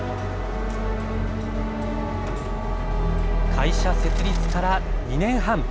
会社設立から２年半。